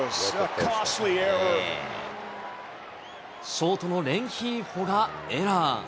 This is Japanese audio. ショートのレンヒーホがエラー。